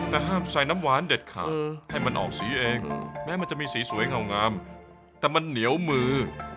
แต่ห้ามใส่น้ำหวานเด็ดขาดให้มันออกสีเองแม้มันจะมีสีสวยเหงางามแต่มันเหนียวมือ